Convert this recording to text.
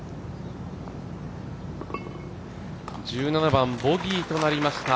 １７番、ボギーとなりました。